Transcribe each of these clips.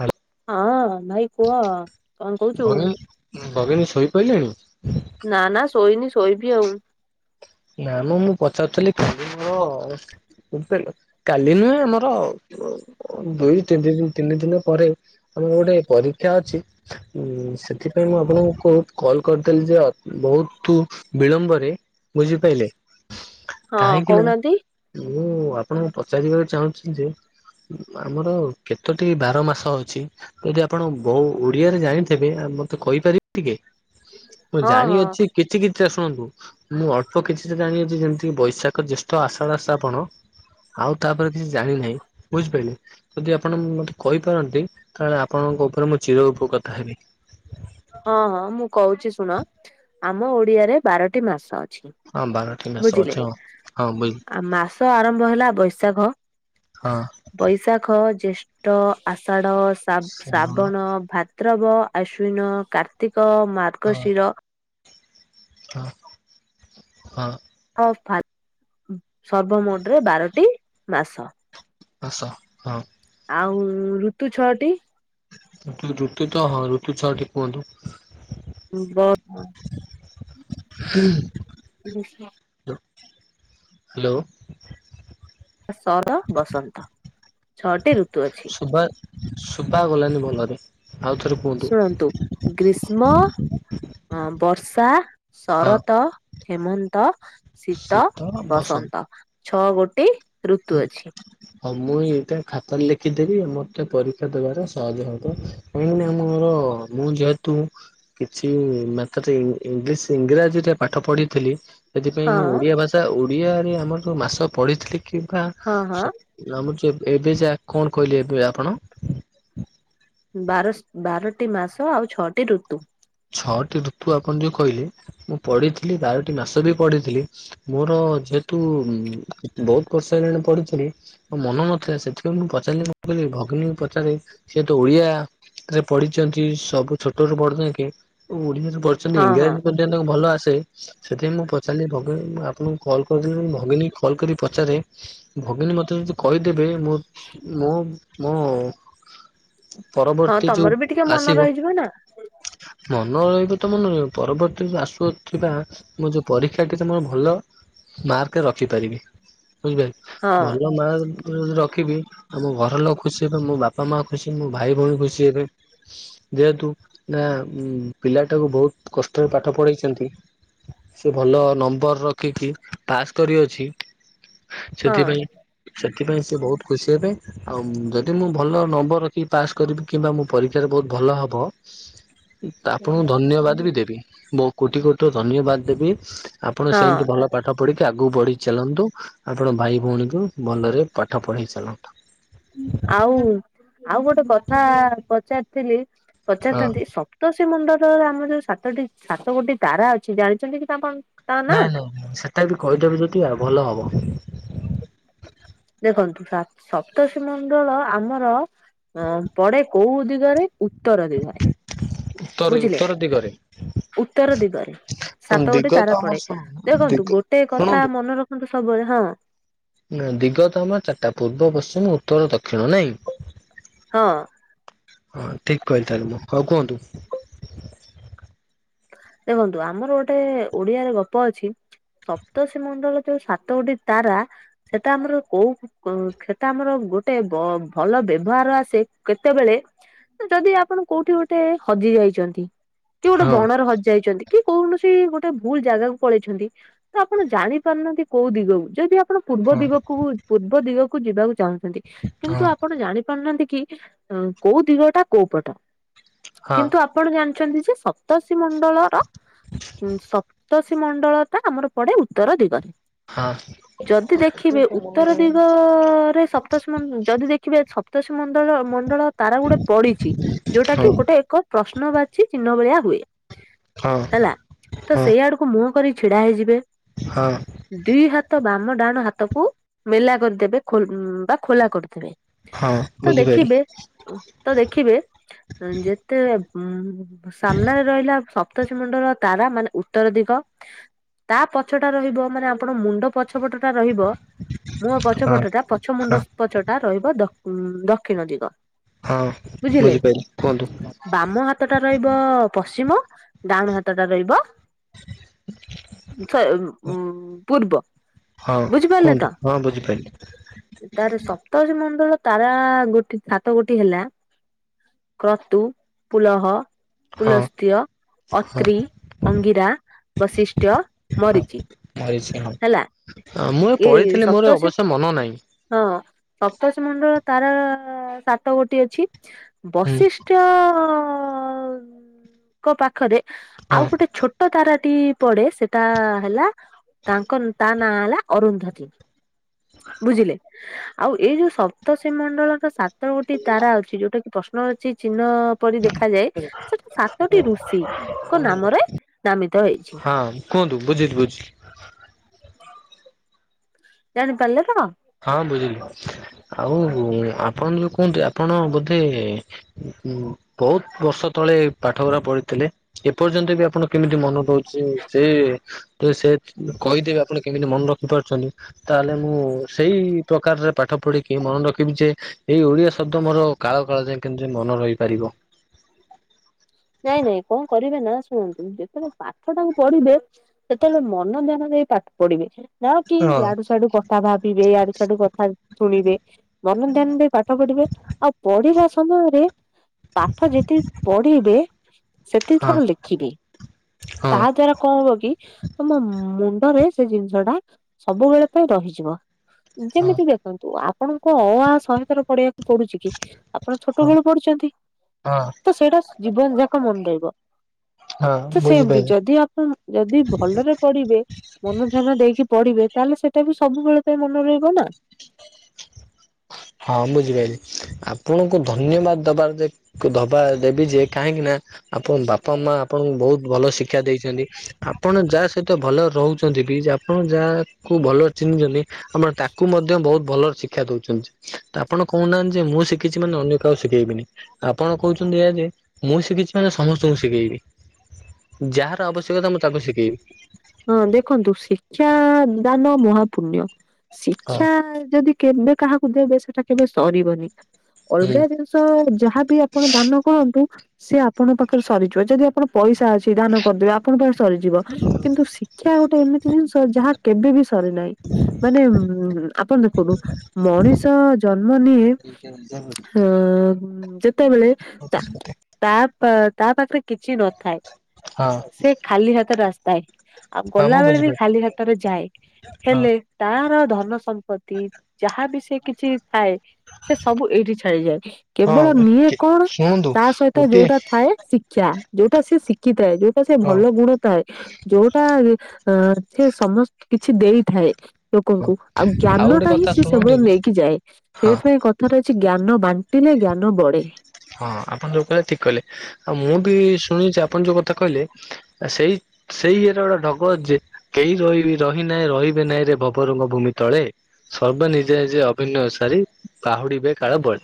ହାଲ ହଁ ଭାଇ କୁହ। କଣ କହୁଛୁ? ଭଗନୀ ଭଗିନୀ ଶୋଇପାଇଲେଣି? ନା ନା ଶୋଇନି ଶୋଇବି ଆଉ। ନା ମ ମୁଁ ପଚାରୁଥିଲି। [unintelligible] ବୁଝିପାରିଲ କାଲି ନୁହେଁ ଆମର ଦୁଇ ତିନି ତିନି ଦିନ ପରେ- କୋଉ ଗୋଟେ ପରୀକ୍ଷା ଅଛି ଉଁ ସେଥିପାଇଁ ମୁଁ ଆପଣଙ୍କୁ କଲ କରିଦେଲିି ଯେ ବହୁତ ବିଳମ୍ବରେ। ବୁଝିପାଇଲେ ହଁ କାହିଁକି ନା- କହୁନାହାନ୍ତି ମୁଁ ଆପଣ କୁ ପଚାରିବାକୁ ଚାହୁଁଛନ୍ତି ଯେ ଆମର କେତୋଟି ବାର ମାସ ଅଛି? ଯଦି ଆପଣ ବହୁ ଓଡିଆରେ ଜାଣିଥିବେ ମତେ କହିପାରିବେ ଟିକେ? ମୁଁ ହଁ ହଁ ଜାଣିଅଛି କିଛି କିଛି ଟା ଶୁଣନ୍ତୁ? ମୁଁ ଅଳ୍ପ କିଛି ଟା ଜାଣିଅଛି ଯେମିତି ବୈଶାଖ ଜ୍ୟେଷ୍ଠ ଆଷାଢ ଶ୍ରାବଣ ଆଉ ତାପରେ କିଛି ଜାଣି ନାହିଁ ବୁଝିପାଇଲେ। ଯଦି ଆପଣ ମତେ କହିପାରନ୍ତି ତାହେଲେ ଆପଣଙ୍କ ଉପରେ ମୁଁ ଚିର ଉପକୃତା ହେବି। ହଁ ହଁ ମୁଁ କହୁଛି ଶୁଣ ଆମ ଓଡିଆରେ ବାରଟି ମାସ ଅଛି। ହଁ ବାରଟି ମାସ ବୁଝିଲେ ଅଛି ହଁ ହଁ ବୁଝ ମାସ ଆରମ୍ଭ ହେଲା ବୈଶାଖ ହଁ। ବୈଶାଖ ଜେଷ୍ଠ ଆଷାଢ ଶା ଶ୍ରାବଣ ଭାଦ୍ରବ ଆଶ୍ୱିନ କାର୍ତ୍ତିକ ହଁ ମାର୍ଗଶିର ହଁ ହଁ। ହଁ ଫା ସର୍ବ ମୋଟରେ ବାରଟି ମାସ। ମାସ ହଁ। ଆଉ ଋତୁ ଛଅଟି। ଊତୁ ଋତୁ ତ ହଁ ଋତୁ ଛୁଆଟି କୁହନ୍ତୁ? ବର୍ଷା ହାଲୋ। ସର ବସନ୍ତ ଛଅଟି ଋତୁ ଅଛି। ଶୁବା ଶୁଭା ଗଲାଣିି ଭଲରେ? ଆଉଥରେ କୁହନ୍ତୁ? ଶୁଣନ୍ତୁ ଅ ବର୍ଷା ହଁ ଶରତ ହେମନ୍ତ ଶୀତ ବସନ୍ତ ଛଅ ଗୋଟି ଋତୁ ଅଛି। ହଁ ମୁଁ ଏଇଟା ଖାତାରେ ଲେଖିଦେବି ମତେ ପରୀକ୍ଷା ଦେବାର ସହଜ ହବ। କାହିଁକି ନା ମୋର ମୁଁ ଯେହେତୁ କିଛି ମାତ୍ରାରେ ଇଂଲିଶ ଇଂରାଜୀରେ ପାଠ ପଢିଥିଲି। ସେଥିପାଇଁ ହଁ ମୁଁ ଓଡିଆ ଭାଷା ଓଡିଆରେ ଆମର ଯୋଉ ମାସ ପଢିଥିଲି କିମ୍ବା ହଁ ହଁ ସପ୍ ଲାଗୁଚି ଏବେ ଏବେ ସେ କଣ ଆଗ୍ କଣ କହିଲି ଏବେ ଆପଣ? ବାରସଶ୍ ବାରଟି ମାସ ଆଉ ଛଅଟି ଋତୁ। ଛଅଟି ଋତୁ ଆପଣ ଯୋଉ କହିଲେ ମୁଁ ପଢିଥିଲି ବାରଟି ମାସ ବି ପଢିଥିଲି। ମୋର ଯେହେତୁ ବୋହୁତ ବର୍ଷ ହେଲାଣି ପଢିଥିଲି। ମୋ ମନ ନଥିଲା ସେଥିପାଇଁ ମୁଁ ପଚାରିଲି ମୁ କହିଲି ଭଗିନୀକୁ ପଚାରିଲି ସିଏ ତ ଓଡିଆ କାଳେ ପଢିଚନ୍ତି ସବୁ ଛୋଟ ରୁ ବଡଜାଙ୍କେ। ଓଡିଆରେ ପଢଛନ୍ତି ହଁ ହଁ ଇଂରାଜୀ ପର୍ଯ୍ୟନ୍ତ ତାଙ୍କୁ ଭଲ ଆସେ ସେଥିପାଇଁ ମୁଁ ପଚାରିଲି ଭଗିନୀ ମୁଁ ଆପୁଣୁ କଲ୍ କରିଦେଲୁନି ଭଗିନୀ କଲ୍ କରି ପଚାରେ ଭଗିନୀ ମତେ ଯଦି କହିଦେବେ ମୋ ମୋ ମୋ ପରବର୍ତ୍ତୀ ଯୋଉ ଆସିବ। ଯିବ ନା ମନ ରହିବ ତ ମନ ରହିବ ପରବର୍ତ୍ତୀ ଜଉ ଆସୁଥିବା ମୋ ଯୋଉ ପରୀକ୍ଷାଟି ତମର ଭଲ ମାର୍କରେ ରଖିପାରିବି ବୁଝିପାଇଲ। ହଁ ଭଲ ମାର୍କ ଯଦି ରଖିବି ଆଉ ମୋ ଘର ଲୋକ ଖୁସି ହେବେ ମୋ ବା ବାପା ମା ଖୁସି ମୋ ଭାଇ ଭଉଣୀ ଖୁସି ହେବେ ଯେହେତୁ ନା। ଉ ପିଲାଟାକୁ ବୋହୁତ କଷ୍ଟରେ ପାଠ ପଢେଇଚନ୍ତି ସେ ଭଲ ନମ୍ବର ରଖିକି ପାସ୍ କରିଅଛି। ହଁ ସେଥିପାଇଁ ସେଥିପାଇଁ ସେ ବୋହୁତ ଖୁସି ହେବେ। ଆଉ ଯଦି ମୁଁ ଭଲ ନମ୍ବର ରଖି ପାସ୍ କରିବି କିମ୍ବା ମୋ ପରୀକ୍ଷାରେ ବହୁତ ଭଲ ହବ। ଆପଣଙ୍କୁ ଧନ୍ୟବାଦ ବି ଦେବି ବହୁ କୋଠି କୋଟିର ଧନ୍ୟବାଦ ଦେବି। ଆପଣ ହଁ ସେମିତି ଭଲ ପାଠ ପାଠ ପଢିକି ଆଗକୁ ବଢି ଚାଲନ୍ତୁ ଆପଣ ଭାଇ ଭଉଣୀକୁ ଭଲରେ ପାଠ ପଢେଇ ଚାଲନ୍ତୁ। ଆଉ ଆଉ ଗୋଟେ କଥା ପଚାରିଥିଲି ହଁ ପଚାରିଥାନ୍ତି ସ ପ୍ତସୀ ମଣ୍ଡଳର ଆମର ଯୋଉ ସାତଟି ସାତ ଗୋଟି ତାରା ଅଛି ଜାଣିଛନ୍ତି କି ତା କଣ ନାଇଁ ନାଇଁ ନାଇଁ ସେଟା ବି କହିଦେବୁ ଯଦି ଆଉ ଭଲ ହବ। ଦେଖନ୍ତୁ ସା ସପ୍ତଷୀ ମଣ୍ଡଳ ଆମର ହ ପଡେ କୋଉ ଦିଗରେ ଉତ୍ତର ଦିଗରେ। ହ। ବୁଝିଲେ ଉତ୍ତର ଦିଗରେ। ସାତ ଗୋଟି ଦିଗ ତ ତାରା ଆମର ପଡେ। ଶୁଣ ଦିଗ ଦେଖନ୍ତୁ ଗୋଟେ କଥା ଶୁଣନ୍ତୁ। ମନେ ରଖନ୍ତୁ ସବୁବେଳେ ହଁ। ନା ଦିଗ ତ ଆମର ଚାରିଟା ପୂର୍ବ ପଶ୍ଚିମ ଉତ୍ତର ଦକ୍ଷିଣ ନାଇଁ। ହଁ। ହଁ ଠିକ କହିଲି ତାହେଲେ ମୁଁ। ଆଉ କୁହନ୍ତୁ। ଦେଖନ୍ତୁ ଆମର ଗୋଟେ ଓଡିଆରେ ଗପ ଅଛି। ସପ୍ତଷିମଣ୍ଡଳ ଯୋଉ ସାତ ଗୋଟି ତାରା ସେଟା ଆମର କୋଉ ଉଁ କ୍ଷେତ ଆମର ଗୋଟେ ବ ଭଲ ବ୍ୟବହାର ଆସେ କେତେବେଳେ ଯଦି ଆପଣ କୋଉଠି ଗୋଟେ ହଜି ଯାଇଛନ୍ତି କି ଗୋଟେ ହଁ ବଣ ହଜିଯାଇଛନ୍ତି କି କୌଣସି ଗୋଟେ ଭୁଲ ଜାଗାକୁ ପଳେଇଛନ୍ତି। ତ ଆପଣ ଜାଣିପାରୁନାହାନ୍ତି କୋଉ ଦିଗକୁ। ଯଦି ଆପ ଆପଣ ପୂର୍ବ ହଁ ଦିଗକୁ ପୂର୍ବ ଦିଗକୁ ଯିବାକୁ ଚାହୁଁଛନ୍ତି କିନ୍ତୁ ହଁ ଆପଣ ଜାଣି ପାରୁନାହାନ୍ତି କି କୋଉ ଦିଗଟା କୋଉ ପଟ କିନ୍ତୁ ଆପଣ ଜାଣିଛନ୍ତି ଯେ ସପ୍ତ ମଣ୍ଡଳର ସପ୍ତଷୀ ମଣ୍ଡଳ ଟା ଆମର ପଡେ ଉତ୍ତର ଦିଗରେ। ହଁ ଯଦି ଦେଖିବେ ଉତ୍ତର ଦିଗରେ ସପ୍ତ ସପ୍ତସି ମନ୍ ଯଦି ଦେଖିବେ ସପ୍ତଷୀ ମଣ୍ଡଳ ମଣ୍ଡଳ ତାରା ଗୋଟେ ପଡିଛି ଯୋଉଟା କି ହଁ ଗୋଟେ ଏକ ପ୍ରଶ୍ନ ବାଚି ଚିହ୍ନ ଭଳିଆ ହୁଏ। ହଁ। ହେଲା ତ ହଁ ସେଇ ଆଡକୁ ମୁହଁ କରି ଛିଡା ହେଇଯିବେ। ହଁ। ଦି ହାତ ବାମ ଡାହାଣ ହାତକୁ ମେଲା କରିଦେବେ ଖୋ ବା ଖୋଲା କରିଦେବେ। ହଁ ତ ବୁଝିପାରିଲି ଦେଖିବେ ତ ଦେଖିବେ ଯେତେ ଉ ସାମ୍ନାରେ ରହିଲା ସପ୍ତଶୀ ମୁଣ୍ଡଳ ତାରା ମାନେ ଉତ୍ତର ଦିଗ। ତା ପଛଟା ରହିବ ମାନେ ଆପଣ ମୁଣ୍ଡ ପଛପଟ ଟା ରହିବ ମୁଁହ ହଁ ପଛପଟା ପଛ ହଁ। ମୁଣ୍ଡ ପଛଟା ରହିବ ଦକ୍ଷ୍ ଉ ଦକ୍ଷିଣ ଦିଗ। ହଁ ବୁଝିଲେ ବୁଝିପାରିଲି କୁହନ୍ତୁ। ବାମ ହାତଟା ରହିବ ପଶ୍ଚିମ ଡାହାଣ ହାତଟା ରହିବ [inaudible] ଶ୍ ଉ ପୂର୍ବ। ହଁ ବୁଝିପାରିଲେ ତ କୁହନ୍ତୁ ହଁ ବୁଝିପାରିଲି। ତାର ସପ୍ତଶି ମଣ୍ଡଳ ତାରା ଗୋଟି ସାତ ଗୋଟି ହେଲା କ୍ରତୁ ପୁଲହ ହଁ ପୁଲସ୍ତ୍ୟ ହଁ ଅତ୍ର୍ରୀ ଅଙ୍ଗିରା ବୈଶିଷ୍ଟ୍ୟ ମରିଚ। ହଁ ମୁଁ ଏ ଏଇ ପଢିଥିଲି ମୋର ସପ୍ତର୍ଷି ଅବଶ୍ୟ ମନ ନାହିଁ। ହଁ ସପ୍ତସ ମଣ୍ଡଳ ତାର ସାତ ଗୋଟିଏ ଅଛି। ହୁଁ ବଶିଷ୍ଠ୍ୟ ଅଅଙ୍କ ପାଖରେ ଆଉ ହଁ ଗୋଟେ ଛୋଟ ତାରାଟି ପଡେ ସେଟା ହେଲା ତାଙ୍କ ତା ନାଁ ହେଲା ଅରୁନ୍ଧତି। ବୁଝିଲେ? ଆଉ ଏଇ ଯୋଉ ସପ୍ତଶିମଣ୍ଡଳର ସାତ ଗୋଟି ତାରା ଅଛି ଯୋଉଟା କି ପ୍ରଶ୍ନବାଚି ଚିହ୍ନ ପରି ଦେଖାଯାଏ ସେଟା ସାତଟି ଋଷିଙ୍କ ନାମରେ ନାମିତ ହେଇଛି। ହଁ କୁହନ୍ତୁ ବୁଝିଚି ବୁଝିଚି। ହ ଜାଣିପାରିଲେ ତ? ହଁ ବୁଝିଲି ଆଉ ଆପଣ ଯୋଉ କୁହନ୍ତି ଆପଣ ବୋଧେ ହଁ ବହୁତ ବର୍ଷ ତଳେ ପାଠ ଉରା ପଢିଥିଲେ? ଏପର୍ଯ୍ୟନ୍ତ ବି ଆପଣ କେମିତି ମନ ପାଉଚି ସେ ସେ କହିଦେବେ ଆପଣ କେମିତି ମନେ ରଖି ପାରୁଚନ୍ତି ତାହେଲେ ମୁଁ ସେଇ ପ୍ରକାରରେ ପାଠ ପଢ଼ିକି ମନେ ରଖିବି ଯେ ଏଇ ଓଡିଆ ଶବ୍ଦ ମୋର କାଳ କାଳ ଯାଏ କେମତି ମନ ରହିପାରିବ। ନାଇଁ ନାଇଁ କଣ କରିବେ ନା ଶୁଣନ୍ତୁ ଯେତେବେଳେ ପାଠ ଟାକୁ ପଢିବେ ସେତେବେଳେ ମନ ଧ୍ୟାନ ଦେଇ ପାଠ ପଡିବେ ନା କି ହଁ। ୟାଡୁ ସାଡୁ କ ଥା ଭାବିବେ ଆଡୁ ଛାଡୁ କଥା ଶୁଣିବେ। ମନ ଧ୍ୟାନ ଦେଇ ପାଠ ପଢିବେ ଆଉ ପଢିବା ସମୟରେ ପାଠ ଯେତିକି ପଢ଼ିବେ ସେତିକି ହଁ ଥର ଲେଖିବେ। ହଁ ତା ଦ୍ଵାରା କଣ ହବ କି? ତମ ମୁଣ୍ଡରେ ସେ ଜିନିଷ ଟା ସବୁବେଳେ ପାଇଁ ରହିଯିବ। ହଁ ଯେମିତି ଦେ ଖନ୍ତୁ ଆପଣଙ୍କ ଅ ଆ ସହେ ଥର ପଡିବା ପଡୁଚି କି? ଆପଣ ଛୋଟ ବେଳୁ ପଢୁଚନ୍ତି। ହଁ ତ ସେଇଟା ଜୀବନ ଯା [unintelligible] ହଁ ତ ସେମତି ବୁଝିପାଇଲି। ଯଦି ଆପଣ ଯଦି ଭଲରେ ପଡିବେ ମନ ଧ୍ୟାନ ଦେଇକି ପଢିବେ ତାହେଲେ ସେଟା ବି ସବୁବେଳ ପାଇଁ ମନେ ରହିବ ନା? ହଁ ବୁଝିପାଇଲି। ଆପଣଙ୍କୁ ଧନ୍ୟବାଦ ଦବାର ଦବା ଦେବି ଯେ କାହିଁକି ନା ଆପଣ ବାପା ମା ଆପଣଙ୍କୁ ବହୁତ ଭଲ ଶିକ୍ଷା ଦେଇଛନ୍ତି ଆପଣ ଯାଆ ସ ଏତେ ଭଲ ରହୁଚନ୍ତି ବି ଆପଣ ଯାହାକୁ ଭଲ ଚିହ୍ନିଚନ୍ତି ଆମର ତାକୁ ମଧ୍ୟ ବହୁତ ଭଲ ଶିକ୍ଷା ଦଉଚନ୍ତି। ତ ଆପଣ କହୁନାହାନ୍ତି ଯେ ମୁଁ ଶିଖିଚି ମାନେ ଅନ୍ୟ କହାକୁ ଶିଖେଇବିନି। ଆପଣ କହୁଚନ୍ତି ଏହା ଯେ ମୁଁ ଶିଖିଚି ମାନେ ସମସ୍ତଙ୍କୁ ଶିଖେଇବି। ଯାହାର ଆବଶ୍ୟକତା ମୁଁ ତାକୁ ଶିଖେଇବି। ହଁ ଦେଖନ୍ତୁ ଶିକ୍ଷା ଦାନ ମହା ପୁଣ୍ୟ। ହଁ ଶିକ୍ଷା ଯଦି କେବେ କାହାକୁ ଦେବେ ସେଟା କେବେ ସରିବନି। ହୁଁ। ଅଲଗା ଜିନିଷ ଯାହାବି ଆପଣ ଦାନ କରନ୍ତୁ ସେ ଆପଣଙ୍କ ପାଖରେ ସରିଯିବ ଯଦି ଆପଣ ପଇସା ଅ ଛି ଦାନ କରିଦେବେ ଆପଣ ପାଖେ ସରିଯିବ। କିନ୍ତୁ ଶିକ୍ଷା ଗୋଟେ ଏମିତି ଜିନିଷ ଯାହା କେବେ ବିି ସରେ ନାହିଁ। ମାନେ ଉମ୍ ଆପଣ ଦେଖନ୍ତୁ ମଣିଷ ଜନ୍ମ ନିଏ ଯେତେବେଳେ ତା ତା ପାଖରେ କିଛି ନଥାଏ ହଁ ସେ ଖାଲି ହାତରେ ଆସିଥାଏ। ଆଉ ହଁ ମୁଁ ଗଲାବେେଳେ ବି ବୁଝିପାରୁଛି ଖାଲି ହାତରେ ଯାଏ ହଁ ହେଲେ ତାର ଧନ ସମ୍ ଯାହା ବି ସେ କିଛି ଥାଏ ସେ ସବୁ ଏଇଠି ଛାଡିଯାଏ। କେବଳ ନିଏ ହଁ କଣ? ଶୁଣନ୍ତୁ ତା ସହିତ ଗୋଟିଏ ଯୋଉଟା ଥାଏ ଶିକ୍ଷା, ଯୋଉଟା ସେ ଶିଖିଥାଏ ଯୋଉଟା ସେ ଭଲ ହଁ। ଗୁଣ ଥାଏ। ଯୋଉଟା ଅ ସେ ସମସ୍ତ କିଛି ଦେଇଥାଏ। ଲୋକଙ୍କୁ ଆଉ ଜ୍ଞାନ ଗୋଟେ ଟା ହିଁ କଥା ସେ ଶୁଣନ୍ତୁ ସେବଳି କି ନେଇକି ଯାଏ, ହଁ ସେଇଥିପାଇଁ କଥା କଥାରେ ଅଛି ଜ୍ଞାନ ବାଣ୍ଟିଲେ ଜ୍ଞାନ ବଢେ। ହଁ ଆପଣ ଯୋଉ କହିଲେ ଠିକ କହିଲେ, ଆଉ ମୁଁ ବି ଶୁଣିଛି ଆପଣ ଯୋଉ କଥା କହିଲେ ସେଇ ସେଇ ଇଏରେ ଗୋଟେ ଢଗ ଅଛି ଯେ, କେହି ରହିବି ରହି ନାହିଁ ରହିବେ ନାହିଁ ରେ ଭବରଙ୍ଗ ଭୂମି ତଳେ। ସର୍ବ ନିଜେ ନିଜେ ଅଭିନୟ ସାରି ବାହୁଡିବେ କାଳ ବଳେ,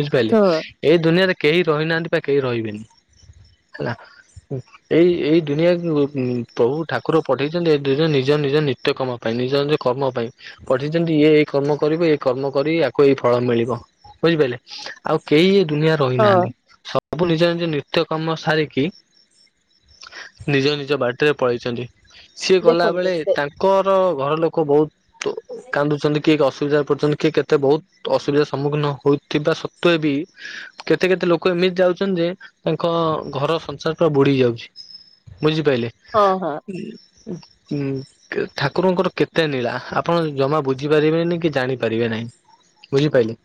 ବୁଝିପାରିଲେ? ହଁ ଏଇ ଦୁନିଆରେ କେହି ରହିନାହାନ୍ତି ବା କେହି ରହିବେନି, ହେଲା। ଏଇ ଏଇ ଦୁନିଆ ପ୍ରଭୁ ଠାକୁର ପଠେଇଛନ୍ତି ଏ ଦୁନିଆ ନିଜ ନିଜ ନିତ୍ୟ କମ ପାଇଁ ନିଜ ନିଜ କର୍ମ ପାଇଁ, ପଠିଛନ୍ତି ଇଏ ଏଇ କର୍ମ କରିବ ଏଇ କର୍ମ କରି ଆକୁ ଏଇ ଫଳ ମିଳିବ, ବୁଝିପାରିଲେ ଆଉ କେହି ଦୁନିଆ ହଁ ରହିନାହାନ୍ତି ସ ସବୁ ନିଜ ନିଜ ନିତ୍ୟ କର୍ମ ସାରିକି, ନିଜ ନିଜ ବାଟରେ ପଳେଇଛନ୍ତି। ସିଏ ଗଲା ଦେଖନ୍ତୁ ବେଳେ ସେ ତାଙ୍କର ଘର ଲୋକ ବହୁତ କାନ୍ଦୁଛନ୍ତି, କିଏ ଅସୁବିଧା ପର୍ଯ୍ୟନ୍ତ କିଏ କେତେ ବହୁତ ଅସୁବିଧା ସମ୍ମୁଖୀନ ହେଉଥିବା ସତ୍ତ୍ୱେ ବି କେତେ କେତେ ଲୋକ ଏମିତି ଯାଉଛନ୍ତି ଯେ, ତାଙ୍କ ଘର ସଂସାର ପୁରା ବୁଡି ଯାଉଛି। ବୁଝି ପାଇଲେ? ହଁ ହଁ। ହୁଁ। ଠାକୁରଙ୍କର କେତେ ନୀଳା, ଆପଣ ଜମା ବୁଝି ପାରିବେନି କି ଜାଣି ପାରିବେ ନାହିଁ। ବୁଝିପାଇଲେ?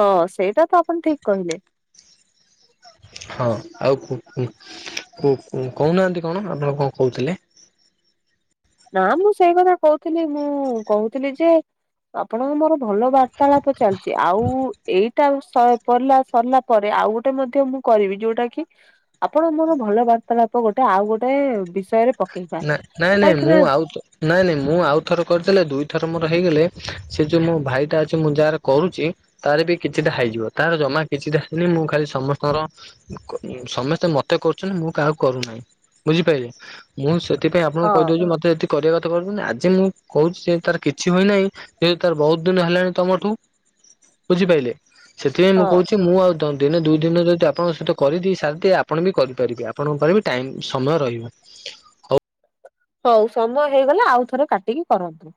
ହଁ ସେଇଟା ତ ଆପଣ ଠିକ କହିଲେ। ହଁ ଆଉ କୁ କୁ କୁ କୁ କହୁନାହାନ୍ତି କଣ ଆପଣ କଣ କହୁଥିଲେ। ନା ମୁଁ ସେଇ କଥା କହୁଥିଲି ମୁଁ କହୁଥିଲି ଯେ ଆପଣଙ୍କ ମୋର ଭଲ ବାର୍ତାଳାପ ଚାଲିଛି, ଆଉ ଏଇଟା ଶ୍ ପିଇଲା ସରିଲା ପରେ ଆଉ ଗୋଟେ ମଧ୍ୟ ମୁଁ କରିବି, ଯୋଉଟା କି ଆପଣ ମୋର ଭଲ ବାର୍ତ୍ତାଳାପ ଗୋଟେ ଆଉ ଗୋଟେ ବିଷୟରେ ପକେଇବା। ନା ନାଇଁ ନାଇଁ କାହିଁକି ମୁଁ ନା ଆଉ ତ ନାଇଁ ନାଇଁ ମୁଁ ଆଉଥର କରିଦେଲେ ଦୁଇ ଥର ମୋର ହେଇଗଲେ, ସେ ଯୋଉ ମୋ ଭାଇଟା ଅଛି ମୁଁ ଯାହାର କରୁଛି ତାର ବି କିଛିଟା ହେଇଯିବ, ତାର ଜମା କିଛିଟା ହେଇନି ମୁଁ ଖାଲି ସମସ୍ତଙ୍କର ସମସ୍ତେ ମତେ କରୁଛନ୍ତି ମୁଁ କାହା କରୁନାହିଁ, ବୁଝିପାରିଲେ? ମୁଁ ସେଥିପାଇଁ ଆପଣଙ୍କୁ ହଁ କହିଦଉଛି ମତେ ଏଥି କରିବା କଥା କହୁଛନ୍ତି ଆଜି ମୁଁ କହୁଛି ଯେ ତାର କିଛି ହୋଇନାହିଁ, ଯେ ତାର ବହୁତ ଦିନ ହେଲାଣି ତମଠୁ। ବୁଝିପାରିଲେ, ସେଥିପାଇଁ ମୁଁ ହଁ କହୁଛି ମୁଁ ଆଉ ଦିନେ ଦୁଇ ଦିନ ଯଦି ଆପଣଙ୍କ ସହିତ କରିଦେଇ ସାରିଦିଏ ଆପଣ ବି କରିପାରିବେ ଆପଣଙ୍କର ବି ଟାଇମ ସମୟ ରହିବ। ହଉ ସମୟ ହେଇଗଲେ ଆଉ ଥରେ କାଟିକି କରନ୍ତୁ।